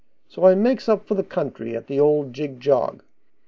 So I makes for up the country at the old jig jog.